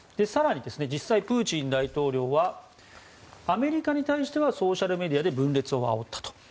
更に、実際、プーチン大統領はアメリカに対してはソーシャルメディアで分裂をあおったと。